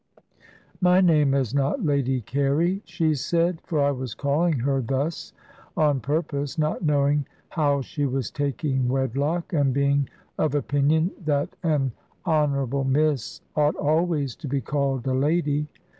"My name is not 'Lady Carey,'" she said, for I was calling her thus on purpose, not knowing how she was taking wedlock, and being of opinion that an "honourable miss" ought always to be called a lady.